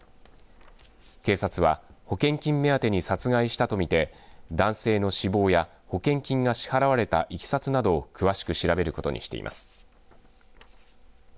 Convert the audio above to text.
警察は、保険金目当てに殺害したとみて、男性の死亡や保険金が支払われたいきさつなどを詳しく調べることにしています。